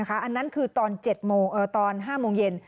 อันนั้นคือตอน๕โมงเย็น